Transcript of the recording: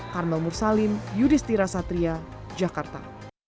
karnel mursalin yudhistira satria jakarta